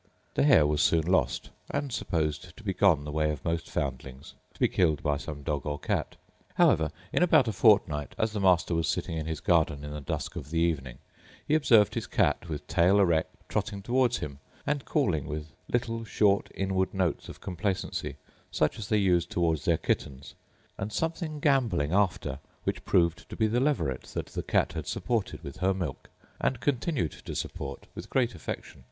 The hare was soon lost, and supposed to be gone the way of most foundlings, to be killed by some dog or cat. However, in about a fortnight, as the master was sitting in his garden in the dusk of the evening, he observed his cat, with tail erect, trotting towards him, and calling with little short inward notes of complacency, such as they use towards their kittens, and something gamboling after, which proved to be the leveret that the cat had supported with her milk, and continued to support with great affection.